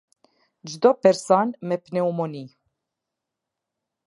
Çdo person me pneumoni.